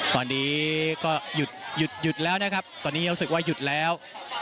ตอนนี้ก็หยุดหยุดแล้วนะครับตอนนี้รู้สึกว่าหยุดแล้ว